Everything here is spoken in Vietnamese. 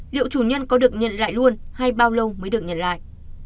liệu chủ nhân có được nhận lại luôn hay bao lâu mới được nhận lại